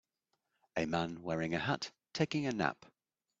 A man wearing a hat taking a nap.